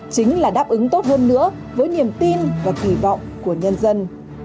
chính là đáp ứng tốt hơn nữa với niềm tin và kỳ vọng của nhân dân